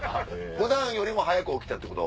普段よりも早く起きたってこと？